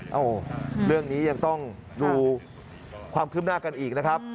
โอ้โหเรื่องนี้ยังต้องดูความคืบหน้ากันอีกนะครับ